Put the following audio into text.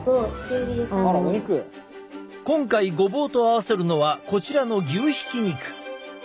今回ごぼうと合わせるのはこちらの牛ひき肉。